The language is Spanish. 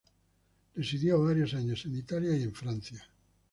Residió varios años en Italia y en Francia.